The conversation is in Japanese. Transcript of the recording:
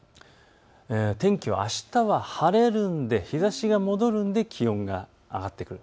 天気はあしたは晴れるので日ざしが戻るので気温が上がってくる。